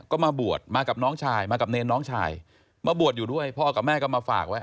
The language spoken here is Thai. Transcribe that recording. ก็มาบวชมากับน้องชายมากับเนรน้องชายมาบวชอยู่ด้วยพ่อกับแม่ก็มาฝากไว้